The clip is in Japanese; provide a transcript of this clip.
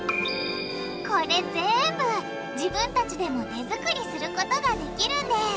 これぜんぶ自分たちでも手作りすることができるんです！